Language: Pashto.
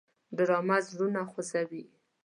ډرامه زړونه خوځوي